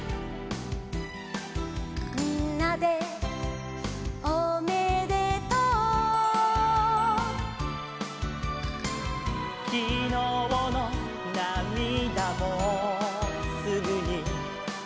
「みんなでおめでとう」「きのうのなみだもすぐに」